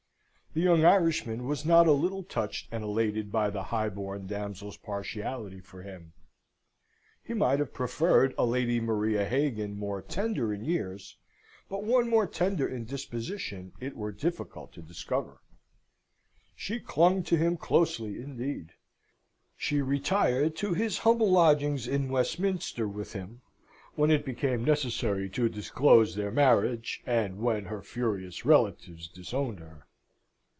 The young Irishman was not a little touched and elated by the highborn damsel's partiality for him. He might have preferred a Lady Maria Hagan more tender in years, but one more tender in disposition it were difficult to discover. She clung to him closely, indeed. She retired to his humble lodgings in Westminster with him, when it became necessary to disclose their marriage, and when her furious relatives disowned her.